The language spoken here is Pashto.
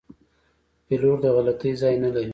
پیلوټ د غلطي ځای نه لري.